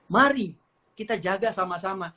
mari kita jaga sama sama